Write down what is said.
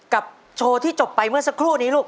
โชว์ที่จบไปเมื่อสักครู่นี้ลูก